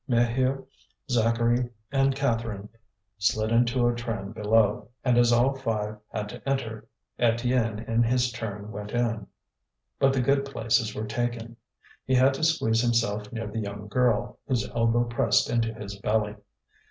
Maheu, Zacharie, and Catherine slid into a tram below, and as all five had to enter, Étienne in his turn went in, but the good places were taken; he had to squeeze himself near the young girl, whose elbow pressed into his belly.